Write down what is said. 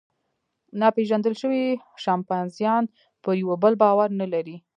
ناپېژندل شوي شامپانزیان پر یوه بل باور نهلري.